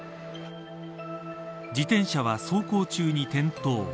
自転車は走行中に転倒。